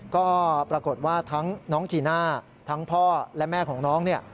ก็ปรากฏว่าทั้งน้องจีน่าทั้งพ่อและแม่ของน้องเนี่ย